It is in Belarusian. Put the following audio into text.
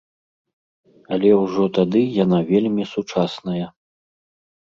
Але ўжо тады яна вельмі сучасная.